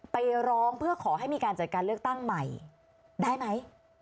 ไปร้องเพื่อขอให้มีการจัดการเลือกตั้งใหม่ได้ไหม